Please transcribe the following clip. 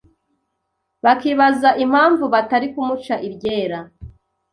bakibaza impamvu batari kumuca iryera.